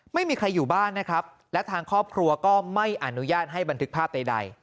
ไม่มีใครอยู่บ้านนะครับและทางครอบครัวก็ไม่อนุญาตให้บันทึกภาพใด